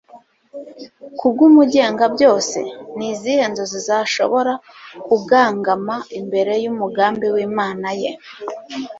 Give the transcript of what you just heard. bw'umugengabyose ? ni izihe nzozi zashobora kugangama imbere y'umugambi w'imana ye